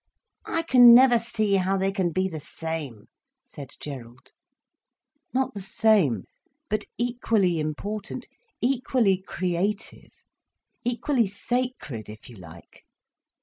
"I can never see how they can be the same," said Gerald. "Not the same—but equally important, equally creative, equally sacred, if you like."